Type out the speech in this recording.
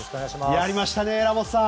やりましたね、ラモスさん。